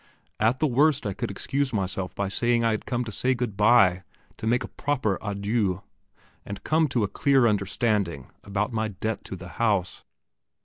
At the worst I could excuse myself by saying I had come to say good bye, to make a proper adieu, and come to a clear understanding about my debt to the house....